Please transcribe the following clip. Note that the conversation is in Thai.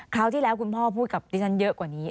คราวที่แล้วคุณพ่อพูดกับดิฉันเยอะกว่านี้